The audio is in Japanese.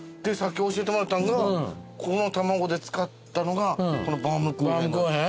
でさっき教えてもらったんがこの卵使ったのがこのバウムクーヘン。